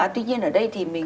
tuy nhiên ở đây thì mình